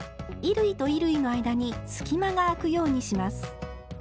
衣類と衣類の間に隙間があくようにします。